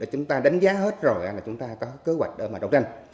chúng ta đánh giá hết rồi là chúng ta có kế hoạch để mà đấu tranh